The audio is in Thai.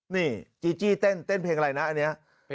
นี่จีจี้เต้นเพลงอะไรนะอันนี้